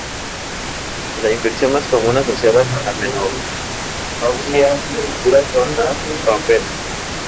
La infección más común asociada con la menopausia prematura son las paperas.